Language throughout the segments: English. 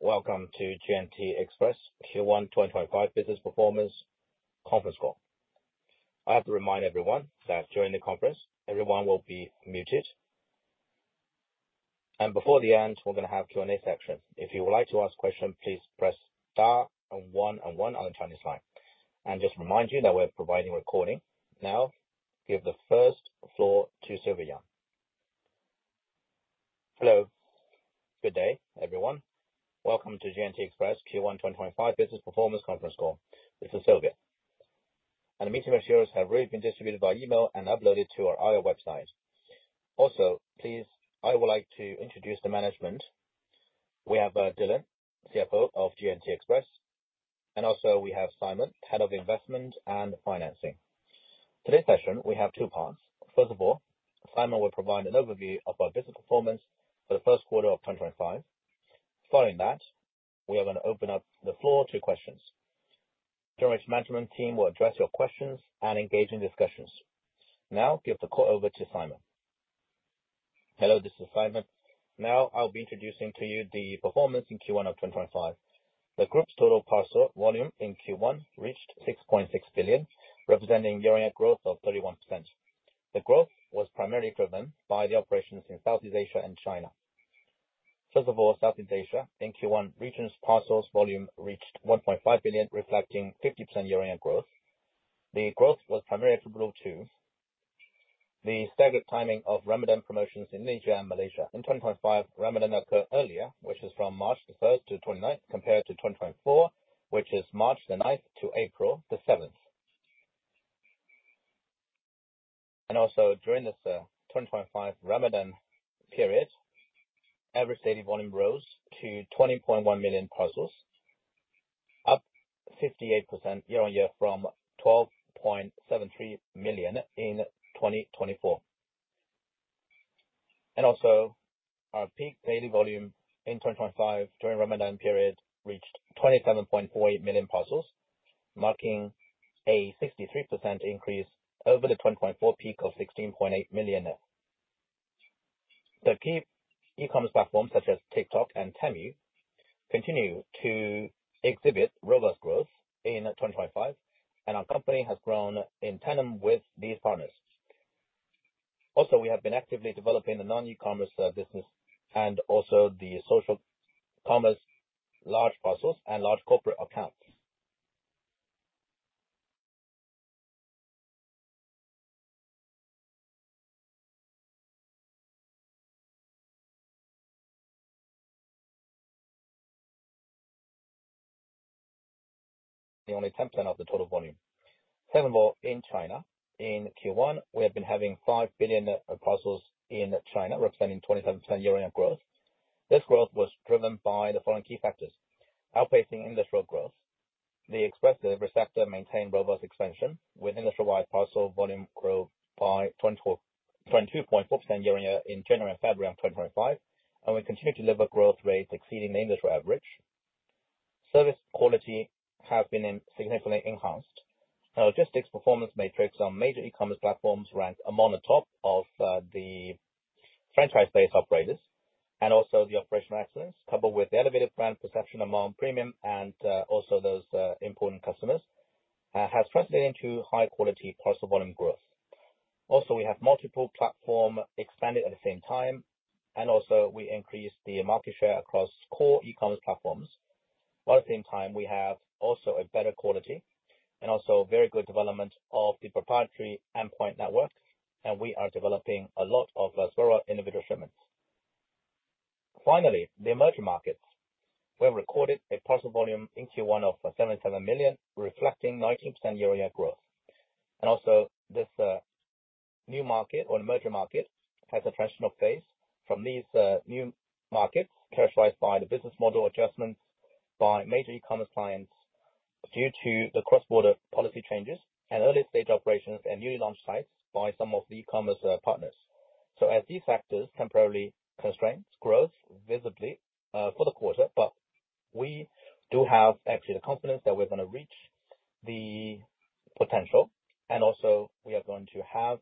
Welcome to J&T Express Q1 2025 Business Performance Conference Call. I have to remind everyone that during the conference, everyone will be muted. Before the end, we're going to have a Q&A section. If you would like to ask a question, please press star and one and one on the Chinese line. Just to remind you that we're providing recording now. Give the first floor to Sylvia. Hello. Good day, everyone. Welcome to J&T Express Q1 2025 Business Performance Conference Call. This is Sylvia. The meeting materials have already been distributed by email and uploaded to our IR website. Also, please, I would like to introduce the management. We have Dylan Tey, CFO of J&T Express. Also, we have Simon, Head of Investment and Financing. Today's session, we have two parts. First of all, Simon will provide an overview of our business performance for the first quarter of 2025. Following that, we are going to open up the floor to questions. During this management team, we'll address your questions and engage in discussions. Now, give the call over to Simon. Hello, this is Simon. Now, I'll be introducing to you the performance in Q1 of 2025. The group's total parcel volume in Q1 reached 6.6 billion, representing year-on-year growth of 31%. The growth was primarily driven by the operations in Southeast Asia and China. First of all, Southeast Asia, in Q1, region's parcel volume reached 1.5 billion, reflecting 50% year-on-year growth. The growth was primarily attributable to the staggered timing of Ramadan promotions in Indonesia and Malaysia. In 2025, Ramadan occurred earlier, which is from March the 1st to the 29th, compared to 2024, which is March the 9th to April the 7th. During this 2025 Ramadan period, average daily volume rose to 20.1 million parcels, up 58% year-on-year from 12.73 million in 2024. Our peak daily volume in 2025 during the Ramadan period reached 27.48 million parcels, marking a 63% increase over the 2024 peak of 16.8 million. The key e-commerce platforms, such as TikTok and Temu, continue to exhibit robust growth in 2025, and our company has grown in tandem with these partners. We have been actively developing the non-e-commerce business and also the social commerce, large parcels, and large corporate accounts. The only 10% of the total volume. Second of all, in China, in Q1, we have been having 5 billion parcels in China, representing 27% year-on-year growth. This growth was driven by the following key factors: outpacing industrial growth. The expressive receptor maintained robust expansion with industry-wide parcel volume growth by 22.4% year-on-year in January and February of 2025, and we continue to deliver growth rates exceeding the industry average. Service quality has been significantly enhanced. Our logistics performance metrics on major e-commerce platforms ranks among the top of the franchise-based operators. The operational excellence, coupled with the elevated brand perception among premium and also those important customers, has translated into high-quality parcel volume growth. We have multiple platforms expanded at the same time, and we increased the market share across core e-commerce platforms. At the same time, we have also a better quality and also very good development of the proprietary endpoint network, and we are developing a lot of several individual shipments. Finally, the emerging markets. We have recorded a parcel volume in Q1 of 77 million, reflecting 19% year-on-year growth. Also, this new market or emerging market has a transitional phase from these new markets, characterized by the business model adjustments by major e-commerce clients due to the cross-border policy changes and early-stage operations and newly launched sites by some of the e-commerce partners. As these factors temporarily constrain growth visibly for the quarter, we do have actually the confidence that we're going to reach the potential, and also, we are going to have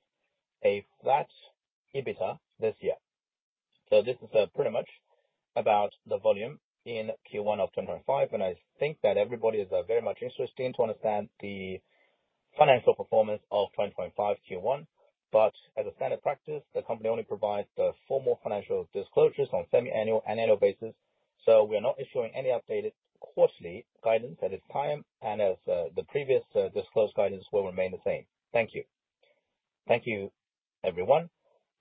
a flat EBITDA this year. This is pretty much about the volume in Q1 of 2025, and I think that everybody is very much interested in understanding the financial performance of 2025 Q1. As a standard practice, the company only provides the formal financial disclosures on a semi-annual and annual basis, so we are not issuing any updated quarterly guidance at this time, and as the previously disclosed guidance will remain the same. Thank you. Thank you, everyone.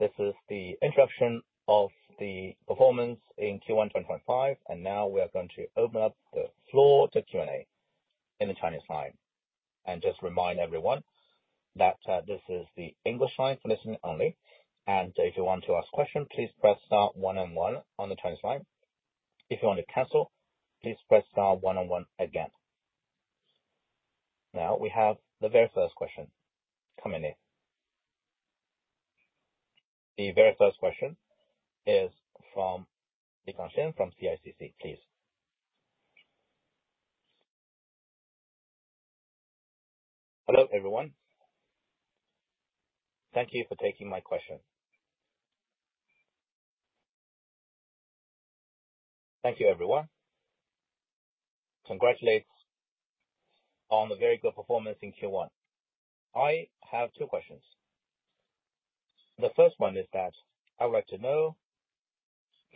This is the introduction of the performance in Q1 2025, and now we are going to open up the floor to Q&A in the Chinese line. Just to remind everyone that this is the English line for listening only, and if you want to ask a question, please press star one and one on the Chinese line. If you want to cancel, please press star one and one again. Now, we have the very first question coming in. The very first question is from Liu Gangchen from CICC, please. Hello, everyone. Thank you for taking my question. Thank you, everyone. Congratulations on the very good performance in Q1. I have two questions.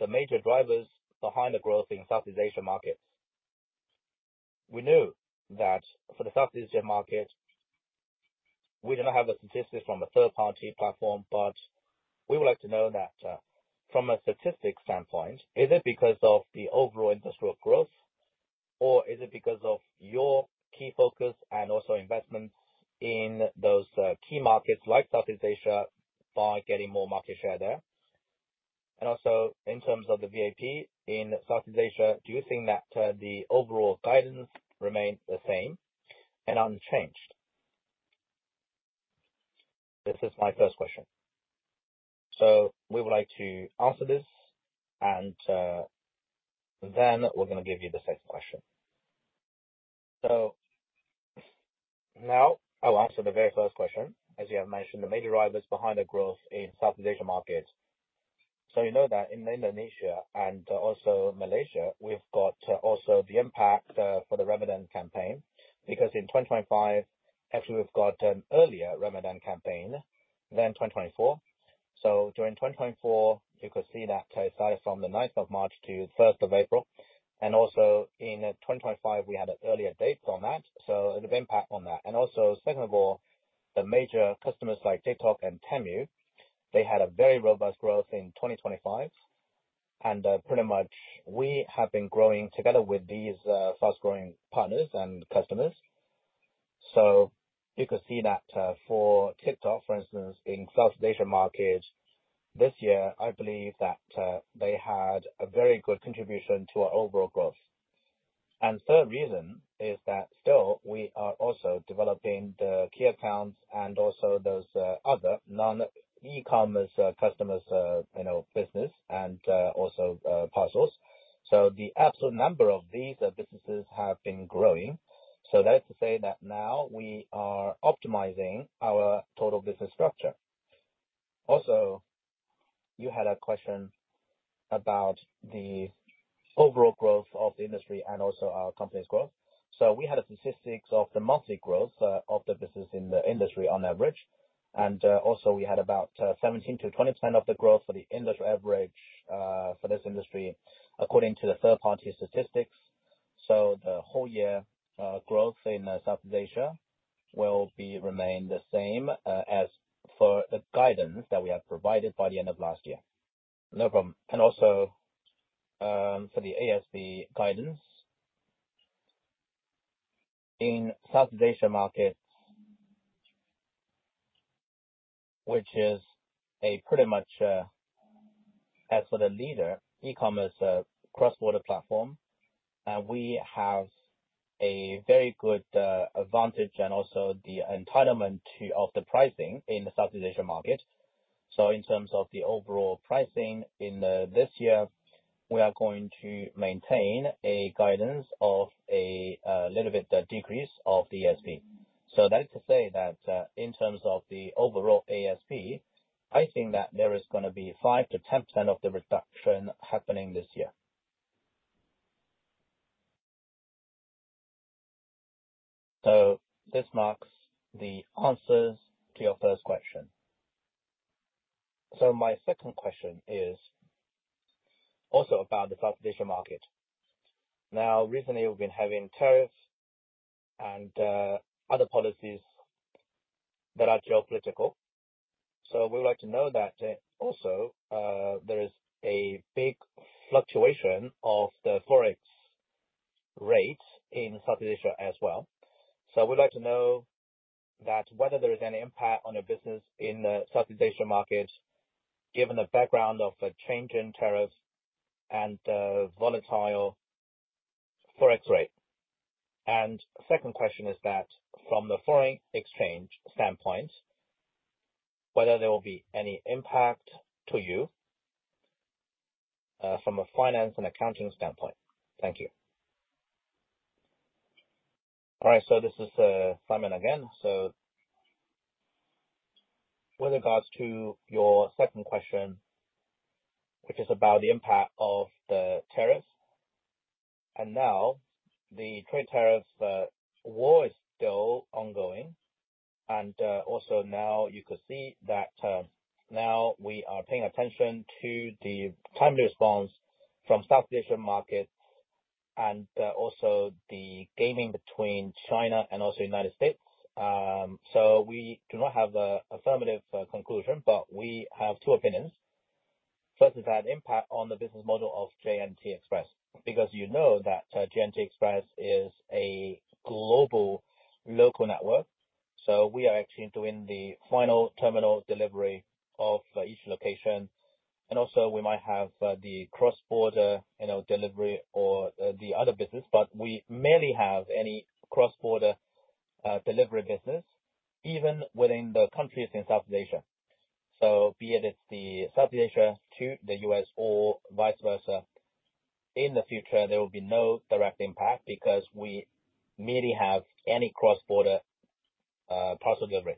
The first one is that I would like to know the major drivers behind the growth in Southeast Asian markets. We knew that for the Southeast Asian market, we do not have a statistic from a third-party platform, but we would like to know that from a statistic standpoint, is it because of the overall industrial growth, or is it because of your key focus and also investments in those key markets like Southeast Asia by getting more market share there? Also, in terms of the VAP in Southeast Asia, do you think that the overall guidance remains the same and unchanged? This is my first question. We would like to answer this, and then we're going to give you the second question. Now I'll answer the very first question. As you have mentioned, the major drivers behind the growth in Southeast Asia market. You know that in Indonesia and also Malaysia, we've got also the impact for the Ramadan campaign because in 2025, actually, we've got an earlier Ramadan campaign than 2024. During 2024, you could see that it started from the 9th of March to the 1st of April. In 2025, we had an earlier date on that, so it would impact on that. Second of all, the major customers like TikTok and Temu, they had a very robust growth in 2025. Pretty much, we have been growing together with these fast-growing partners and customers. You could see that for TikTok, for instance, in Southeast Asia market this year, I believe that they had a very good contribution to our overall growth. The third reason is that still, we are also developing the key accounts and also those other non-e-commerce customers' business and also parcels. The absolute number of these businesses has been growing. That is to say that now we are optimizing our total business structure. Also, you had a question about the overall growth of the industry and also our company's growth. We had a statistic of the monthly growth of the business in the industry on average. Also, we had about 17%-20% of the growth for the industry average for this industry according to the third-party statistics. The whole-year growth in Southeast Asia will remain the same as for the guidance that we have provided by the end of last year. No problem. Also, for the ASP guidance in Southeast Asia markets, which is pretty much as for the leader e-commerce cross-border platform, we have a very good advantage and also the entitlement of the pricing in the Southeast Asia market. In terms of the overall pricing in this year, we are going to maintain a guidance of a little bit decrease of the ASP. That is to say that in terms of the overall ASP, I think that there is going to be 5%-10% of the reduction happening this year. This marks the answers to your first question. My second question is also about the Southeast Asia market. Recently, we've been having tariffs and other policies that are geopolitical. We would like to know that also there is a big fluctuation of the forex rates in Southeast Asia as well. We'd like to know whether there is any impact on your business in the Southeast Asia market given the background of a change in tariffs and volatile forex rate. The second question is that from the foreign exchange standpoint, whether there will be any impact to you from a finance and accounting standpoint. Thank you. All right. This is Simon again. With regards to your second question, which is about the impact of the tariffs. Now, the trade tariffs war is still ongoing. Also, now you could see that we are paying attention to the timely response from Southeast Asia market and also the gaming between China and the United States. We do not have an affirmative conclusion, but we have two opinions. First is that impact on the business model of J&T Express because you know that J&T Express is a global local network. We are actually doing the final terminal delivery of each location. Also, we might have the cross-border delivery or the other business, but we merely have any cross-border delivery business even within the countries in Southeast Asia. Be it it's the Southeast Asia to the U.S. or vice versa, in the future, there will be no direct impact because we merely have any cross-border parcel delivery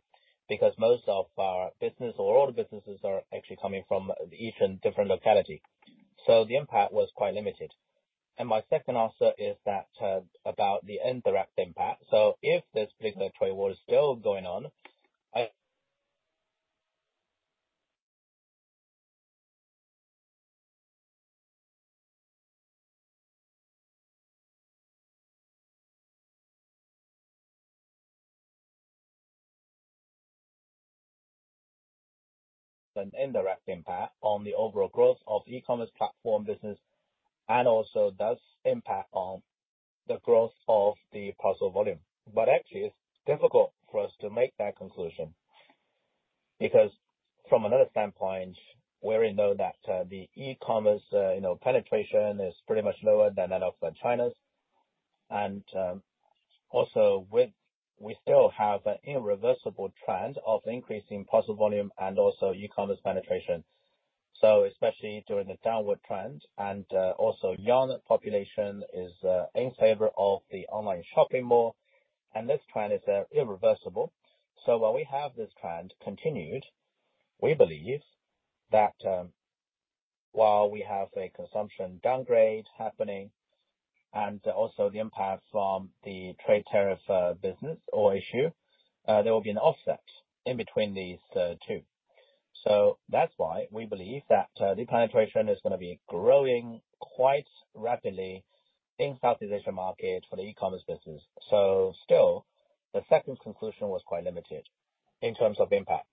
because most of our business or all the businesses are actually coming from each different locality. The impact was quite limited. My second answer is about the indirect impact. If this particular trade war is still going on, the indirect impact on the overall growth of e-commerce platform business and also does impact on the growth of the parcel volume. Actually, it's difficult for us to make that conclusion because from another standpoint, we already know that the e-commerce penetration is pretty much lower than that of China's. Also, we still have an irreversible trend of increasing parcel volume and also e-commerce penetration, especially during the downward trend. Also, the young population is in favor of the online shopping more. This trend is irreversible. While we have this trend continued, we believe that while we have a consumption downgrade happening and also the impact from the trade tariff business or issue, there will be an offset in between these two. That is why we believe that the penetration is going to be growing quite rapidly in the Southeast Asia market for the e-commerce business. Still, the second conclusion was quite limited in terms of impact.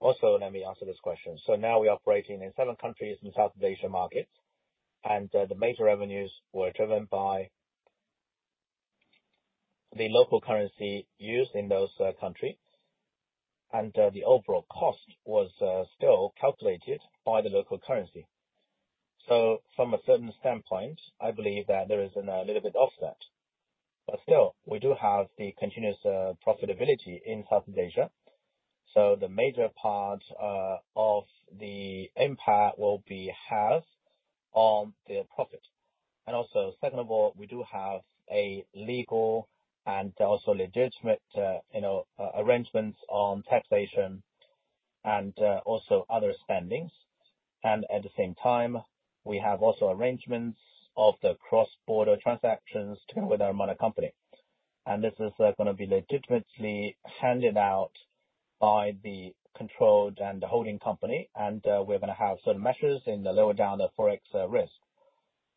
Also, let me answer this question. Now we are operating in seven countries in Southeast Asia markets, and the major revenues were driven by the local currency used in those countries. The overall cost was still calculated by the local currency. From a certain standpoint, I believe that there is a little bit of offset. Still, we do have the continuous profitability in Southeast Asia. The major part of the impact will be on the profit. Also, second of all, we do have legal and also legitimate arrangements on taxation and also other spendings. At the same time, we have also arrangements of the cross-border transactions together with our mother company. This is going to be legitimately handed out by the controlled and holding company. We are going to have certain measures to lower down the forex risk.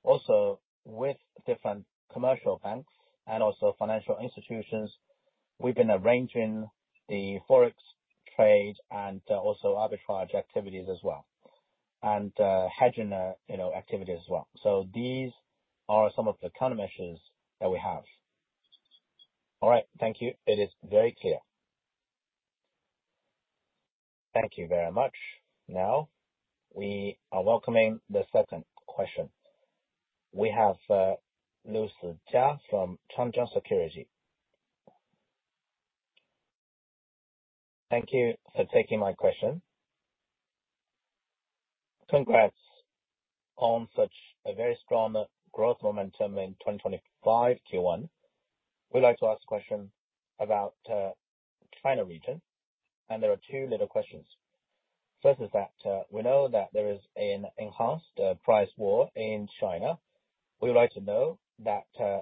Also, with different commercial banks and financial institutions, we have been arranging the forex trade and arbitrage activities as well and hedging activities as well. These are some of the countermeasures that we have. All right. Thank you. It is very clear. Thank you very much. Now, we are welcoming the second question. We have Liu Sijiao from Changjiang Securities. Thank you for taking my question. Congrats on such a very strong growth momentum in 2025 Q1. We'd like to ask a question about China region. There are two little questions. First is that we know that there is an enhanced price war in China. We would like to know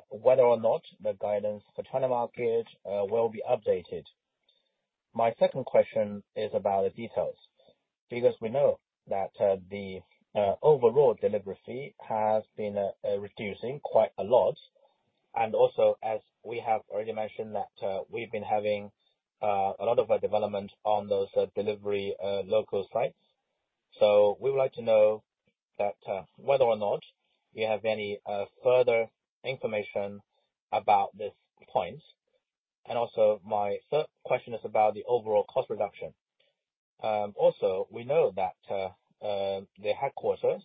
whether or not the guidance for China market will be updated. My second question is about the details because we know that the overall delivery fee has been reducing quite a lot. Also, as we have already mentioned, that we've been having a lot of development on those delivery local sites. We would like to know whether or not you have any further information about this point. My third question is about the overall cost reduction. Also, we know that the headquarters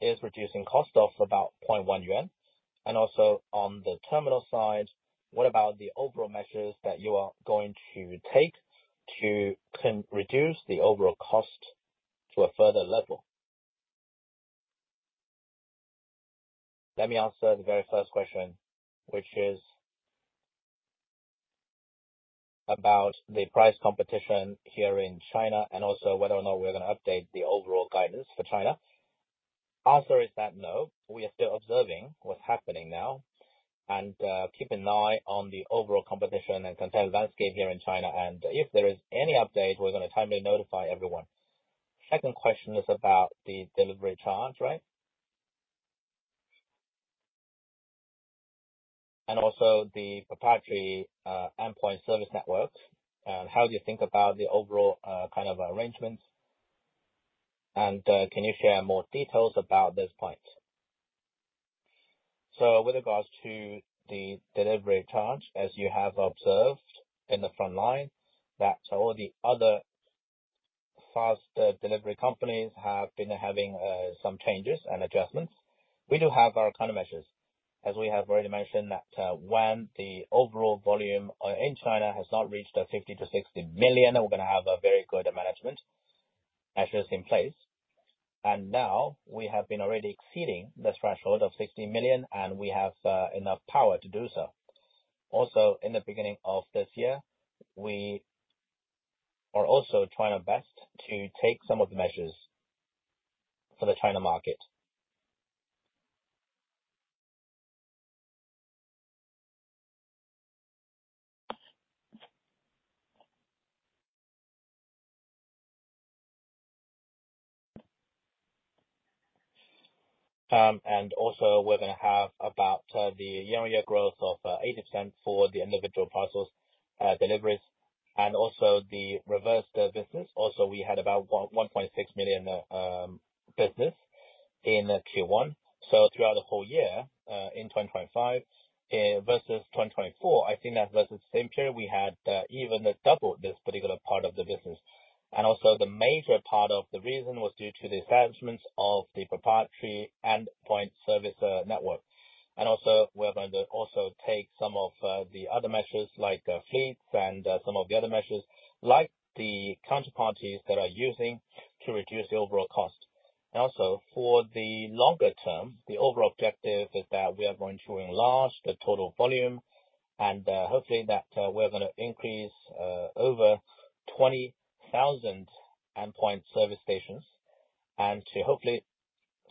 is reducing cost of about 0.1 yuan. Also, on the terminal side, what about the overall measures that you are going to take to reduce the overall cost to a further level? Let me answer the very first question, which is about the price competition here in China and also whether or not we're going to update the overall guidance for China. The answer is that no. We are still observing what's happening now. We keep an eye on the overall competition and content landscape here in China. If there is any update, we're going to timely notify everyone. The second question is about the delivery charge, right? And also, the proprietary Endpoint Service Network. How do you think about the overall kind of arrangements? Can you share more details about this point? With regards to the delivery charge, as you have observed in the front line, all the other fast delivery companies have been having some changes and adjustments. We do have our countermeasures. As we have already mentioned, that when the overall volume in China has not reached 50 million-60 million, we're going to have very good management measures in place. Now, we have been already exceeding the threshold of 60 million, and we have enough power to do so. Also, in the beginning of this year, we are also trying our best to take some of the measures for the China market. We're going to have about the year-on-year growth of 80% for the individual parcels deliveries. Also, the reverse business. We had about 1.6 million business in Q1. Throughout the whole year in 2025 versus 2024, I think that versus the same period, we had even doubled this particular part of the business. The major part of the reason was due to the establishment of the proprietary Endpoint Service Network. We are going to also take some of the other measures like fleets and some of the other measures like the counterparties that are using to reduce the overall cost. For the longer term, the overall objective is that we are going to enlarge the total volume. Hopefully, we are going to increase over 20,000 endpoint service stations to hopefully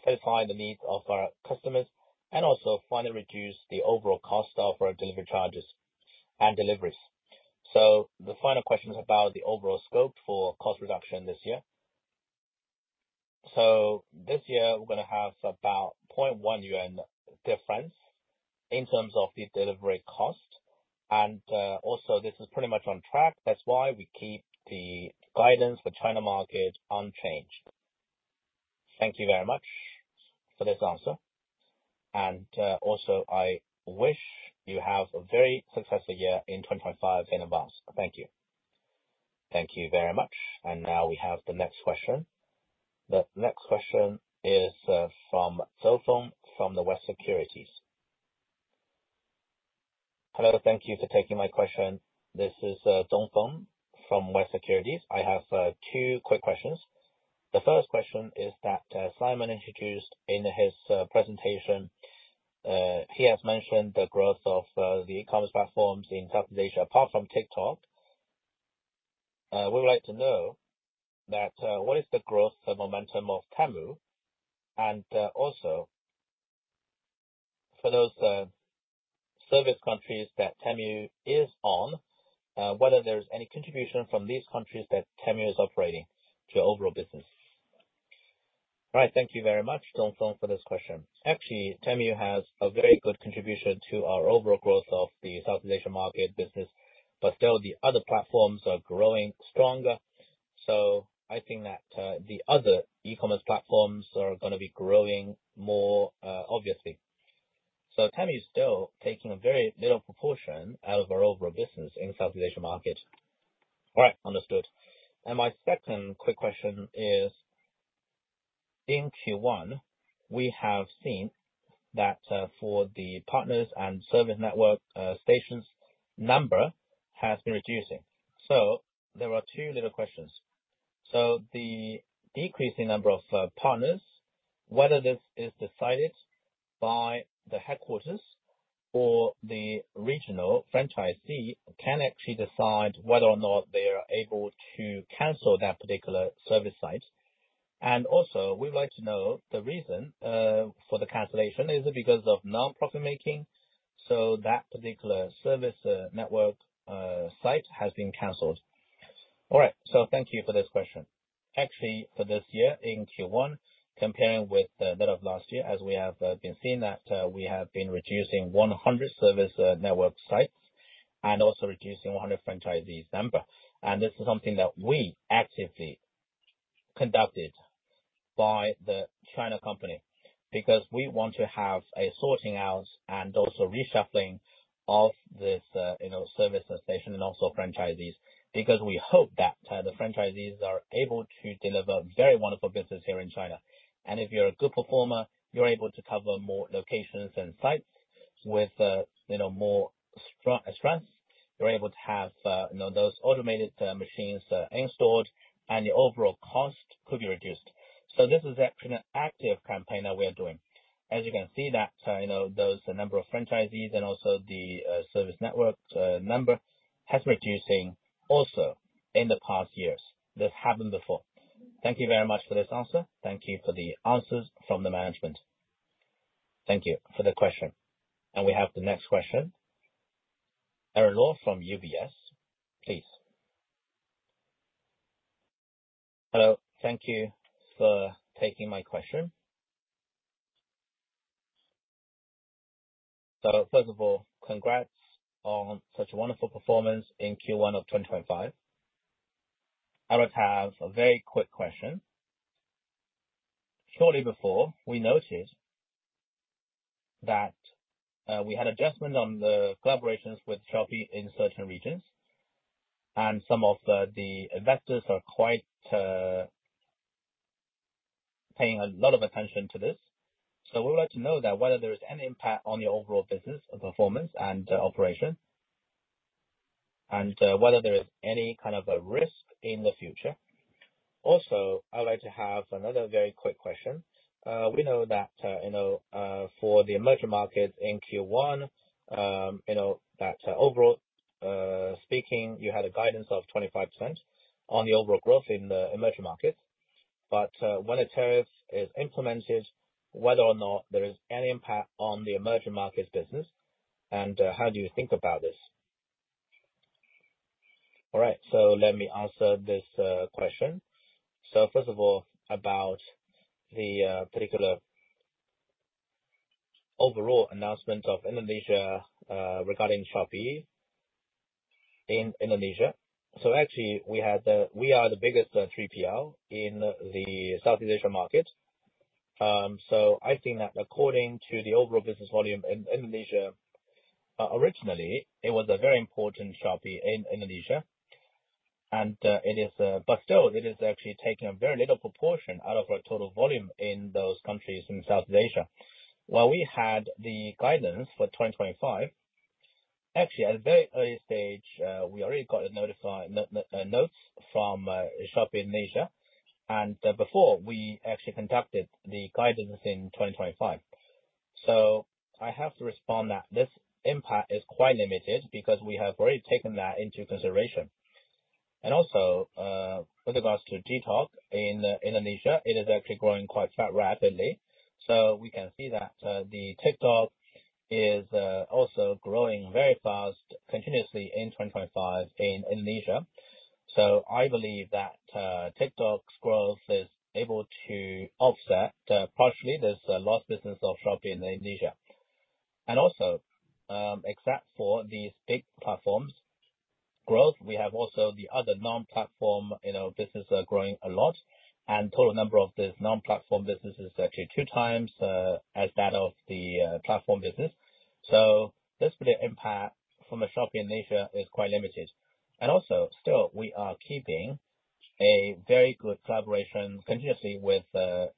satisfy the needs of our customers and also finally reduce the overall cost of our delivery charges and deliveries. The final question is about the overall scope for cost reduction this year. This year, we are going to have about 0.1 yuan difference in terms of the delivery cost. This is pretty much on track. That is why we keep the guidance for China market unchanged. Thank you very much for this answer. I wish you have a very successful year in 2025 in advance. Thank you. Thank you very much. Now, we have the next question. The next question is from Zong Feng from Western Securities. Hello. Thank you for taking my question. This is Zong Feng from Western Securities. I have two quick questions. The first question is that Simon introduced in his presentation. He has mentioned the growth of the e-commerce platforms in Southeast Asia apart from TikTok. We would like to know what is the growth momentum of Temu and also for those service countries that Temu is on, whether there is any contribution from these countries that Temu is operating to your overall business. All right. Thank you very much, Zong Feng, for this question. Actually, Temu has a very good contribution to our overall growth of the Southeast Asia market business, but still, the other platforms are growing stronger. I think that the other e-commerce platforms are going to be growing more obviously. Temu is still taking a very little proportion out of our overall business in Southeast Asia market. All right. Understood. My second quick question is, in Q1, we have seen that for the partners and service network stations number has been reducing. There are two little questions. The decreasing number of partners, whether this is decided by the headquarters or the regional franchisee, can actually decide whether or not they are able to cancel that particular service site. Also, we would like to know the reason for the cancellation. Is it because of nonprofit making? That particular service network site has been canceled. All right. Thank you for this question. Actually, for this year in Q1, comparing with the net of last year, as we have been seeing that we have been reducing 100 service network sites and also reducing 100 franchisees number. This is something that we actively conducted by the China company because we want to have a sorting out and also reshuffling of this service station and also franchisees because we hope that the franchisees are able to deliver very wonderful business here in China. If you're a good performer, you're able to cover more locations and sites with more strength. You're able to have those automated machines installed, and your overall cost could be reduced. This is actually an active campaign that we are doing. As you can see, those number of franchisees and also the service network number has been reducing also in the past years. This happened before. Thank you very much for this answer. Thank you for the answers from the management. Thank you for the question. We have the next question. Aaron Luo from UBS, please. Hello. Thank you for taking my question. First of all, congrats on such a wonderful performance in Q1 of 2025. I would have a very quick question. Shortly before, we noted that we had adjustment on the collaborations with Shopee in certain regions, and some of the investors are quite paying a lot of attention to this. We would like to know whether there is any impact on the overall business performance and operation and whether there is any kind of a risk in the future. Also, I would like to have another very quick question. We know that for the emerging markets in Q1, that overall speaking, you had a guidance of 25% on the overall growth in the emerging markets. When a tariff is implemented, whether or not there is any impact on the emerging markets business, and how do you think about this? All right. Let me answer this question. First of all, about the particular overall announcement of Indonesia regarding Shopee in Indonesia. Actually, we are the biggest 3PL in the Southeast Asia market. I think that according to the overall business volume in Indonesia, originally, it was a very important Shopee in Indonesia. Still, it is actually taking a very little proportion out of our total volume in those countries in Southeast Asia. While we had the guidance for 2025, actually, at a very early stage, we already got notified notes from Shopee Indonesia. Before, we actually conducted the guidance in 2025. I have to respond that this impact is quite limited because we have already taken that into consideration. Also, with regards to TikTok in Indonesia, it is actually growing quite rapidly. We can see that TikTok is also growing very fast continuously in 2025 in Indonesia. I believe that TikTok's growth is able to offset partially this lost business of Shopee in Indonesia. Also, except for these big platforms' growth, we have also the other non-platform businesses growing a lot. The total number of these non-platform businesses is actually 2x as that of the platform business. This impact from Shopee in Asia is quite limited. Also, still, we are keeping a very good collaboration continuously with Shopee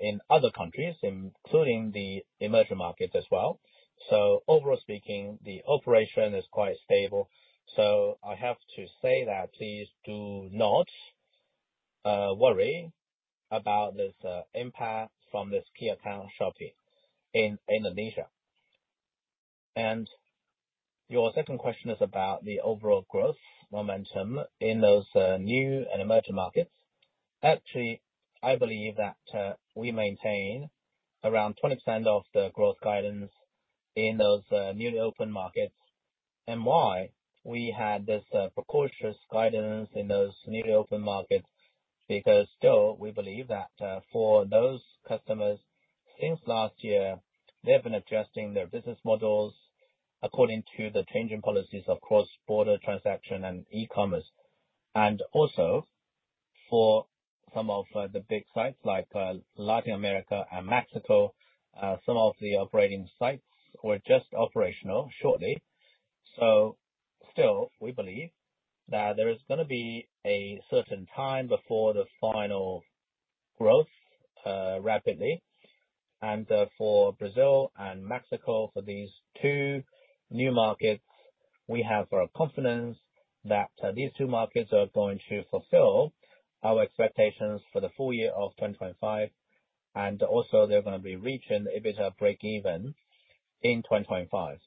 in other countries, including the emerging markets as well. Overall speaking, the operation is quite stable. I have to say that please do not worry about this impact from this key account, Shopee, in Indonesia. Your second question is about the overall growth momentum in those new and emerging markets. Actually, I believe that we maintain around 20% of the growth guidance in those newly opened markets. Why we had this precocious guidance in those newly opened markets is because still, we believe that for those customers since last year, they have been adjusting their business models according to the changing policies of cross-border transaction and e-commerce. Also, for some of the big sites like Latin America and Mexico, some of the operating sites were just operational shortly. Still, we believe that there is going to be a certain time before the final growth rapidly. For Brazil and Mexico, for these two new markets, we have confidence that these two markets are going to fulfill our expectations for the full year of 2025. Also, they are going to be reaching a bit of break-even in 2025.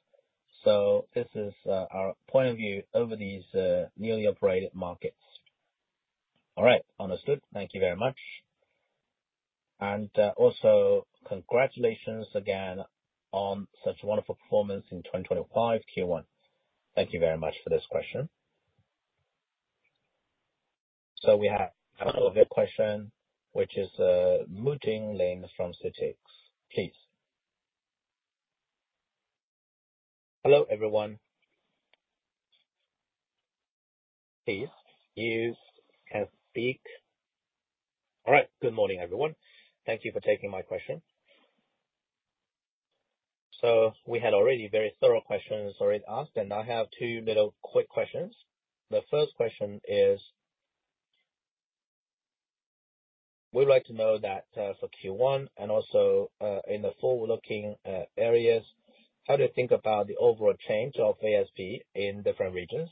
This is our point of view over these newly operated markets. All right. Understood. Thank you very much. Also, congratulations again on such wonderful performance in 2025 Q1. Thank you very much for this question. We have a question, which is Mouting Lane from Citi. Please. Hello, everyone. Please, you can speak. All right. Good morning, everyone. Thank you for taking my question. We had already very thorough questions already asked, and I have two little quick questions. The first question is, we'd like to know that for Q1 and also in the forward-looking areas, how do you think about the overall change of ASP in different regions?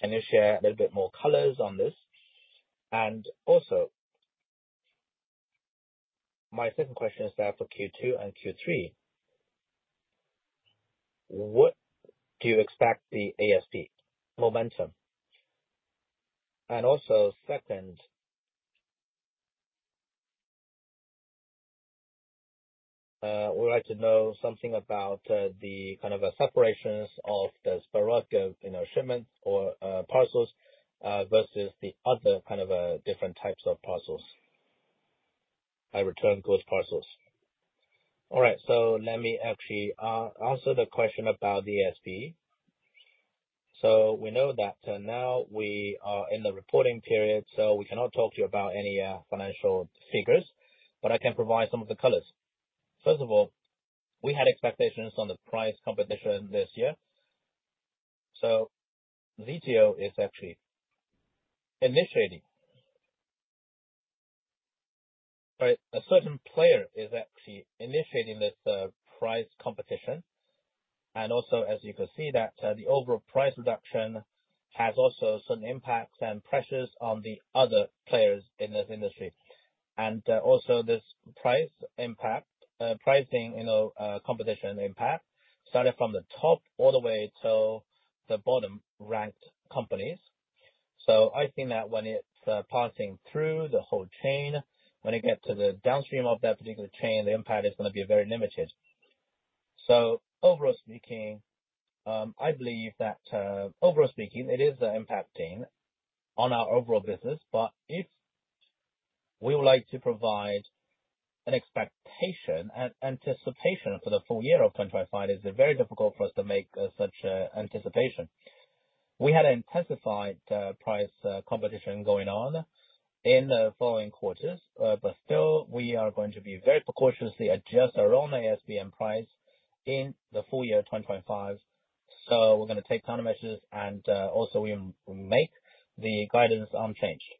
Can you share a little bit more colors on this? Also, my second question is that for Q2 and Q3, what do you expect the ASP momentum? Also, second, we'd like to know something about the kind of separations of the sporadic shipments or parcels versus the other kind of different types of parcels, return goods parcels. All right. Let me actually answer the question about the ASP. We know that now we are in the reporting period, so we cannot talk to you about any financial figures, but I can provide some of the colors. First of all, we had expectations on the price competition this year. ZTO Express is actually initiating, a certain player is actually initiating this price competition. Also, as you can see, the overall price reduction has some impacts and pressures on the other players in this industry. Also, this price competition impact started from the top all the way to the bottom ranked companies. I think that when it's passing through the whole chain, when it gets to the downstream of that particular chain, the impact is going to be very limited. Overall speaking, I believe that overall speaking, it is impacting on our overall business. If we would like to provide an expectation and anticipation for the full year of 2025, it is very difficult for us to make such an anticipation. We had an intensified price competition going on in the following quarters, but still, we are going to very precociously adjust our own ASP in the full year 2025. We are going to take countermeasures and also make the guidance unchanged.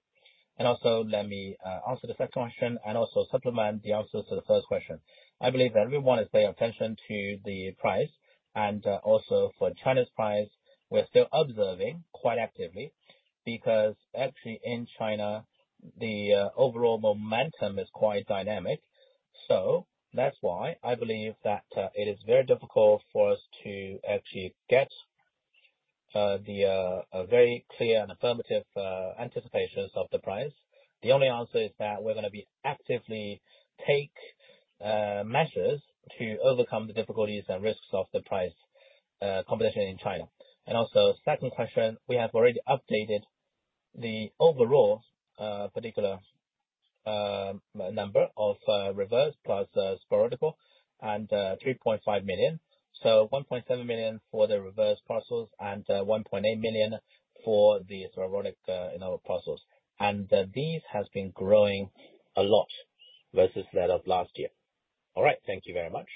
Let me answer the second question and also supplement the answers to the first question. I believe that everyone is paying attention to the price. Also, for China's price, we are still observing quite actively because actually in China, the overall momentum is quite dynamic. That is why I believe that it is very difficult for us to actually get the very clear and affirmative anticipations of the price. The only answer is that we are going to actively take measures to overcome the difficulties and risks of the price competition in China. Also, second question, we have already updated the overall particular number of reverse plus sporadic and 3.5 million. So, 1.7 million for the reverse parcels and 1.8 million for the sporadic parcels. These have been growing a lot versus that of last year. All right. Thank you very much.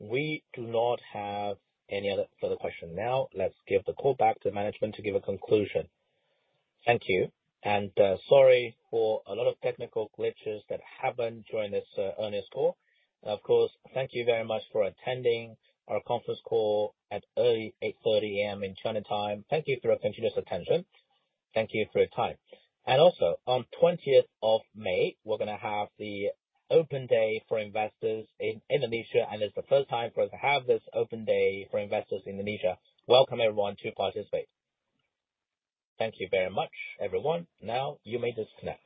We do not have any other further question now. Let's give the call back to management to give a conclusion. Thank you. Sorry for a lot of technical glitches that happened during this earlier call. Of course, thank you very much for attending our conference call at early 8:30 A.M. in China time. Thank you for your continuous attention. Thank you for your time. Also, on 20th of May, we are going to have the Open Day for Investors in Indonesia, and it is the first time for us to have this Open Day for Investors in Indonesia. Welcome everyone to participate. Thank you very much, everyone. Now, you may just connect.